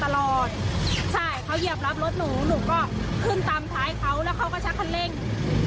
แล้วทีนี้คือเขาไม่ให้หนูแซงเขาพยายามเหยียบรับมาตลอด